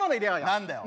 何だよ。